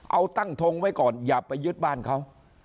เอาตั้งทงไว้ก่อนอย่าไปยึดบ้านเขา